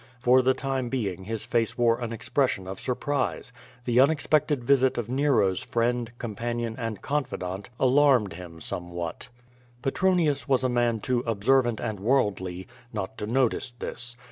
For the time being his face wore an expression of surprise; the unexpected visit of Nero's friend, companion, and confi dant alarmed him somewhat. Petronius was a man too observant and worldly, not to notice this.